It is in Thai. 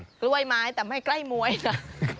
กล้วยไม้แต่ไม่ใกล้มวยนะ